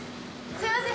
すみません。